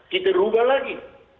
kita rubah lagi